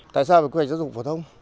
tại sao phải quy hoạch giáo dục phổ thông